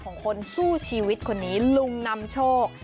ของคนสู้ชีวิตคนนี้หรูนำโชค